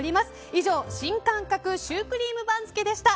以上新感覚シュークリーム番付でした。